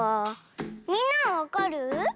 みんなはわかる？